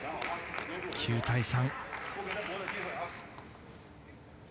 ９対３。